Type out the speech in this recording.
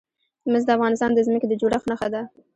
مس د افغانستان د ځمکې د جوړښت نښه ده.